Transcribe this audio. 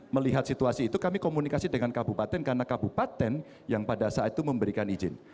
melihat situasi itu kami komunikasi dengan kabupaten karena kabupaten yang pada saat itu memberikan izin